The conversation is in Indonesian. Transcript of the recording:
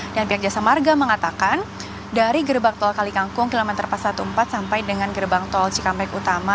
dan pihak jasa samarga mengatakan dari gerbang tol kalikangkung kilometer pas satu empat sampai dengan gerbang tol ckpk utama